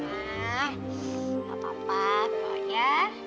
gak apa apa kok ya